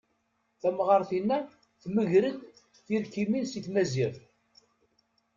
Tamɣart-inna temger-d tirkimin si tmazirt.